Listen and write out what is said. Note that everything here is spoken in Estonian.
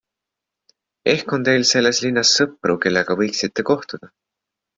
Ehk on teil selles linnas sõpru, kellega võiksite kohtuda?